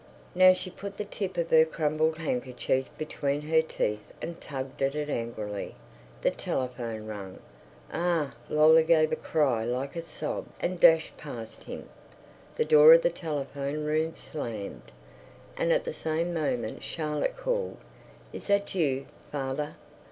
Now she put the tip of her crumpled handkerchief between her teeth and tugged at it angrily. The telephone rang. A ah! Lola gave a cry like a sob and dashed past him. The door of the telephone room slammed, and at the same moment Charlotte called, "Is that you, father?"